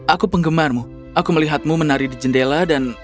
aku penggemarmu aku melihatmu menari di jendela dan